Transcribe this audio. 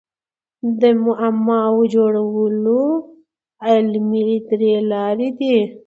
د معماوو جوړولو علمي درې لاري دي.